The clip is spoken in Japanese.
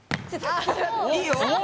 いいよ。